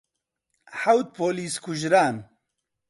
حەوت پۆلیس کوژران.